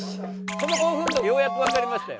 この興奮度がようやくわかりましたよ。